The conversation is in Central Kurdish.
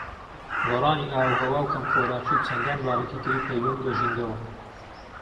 گۆڕانی ئاووهەوا و کەمخۆراکی و چەندان بابەتی تری پەیوەند بە ژینگەوە